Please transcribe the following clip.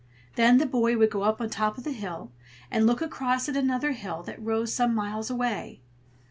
Then the boy would go up to the top of a hill and look across at another hill that rose some miles away.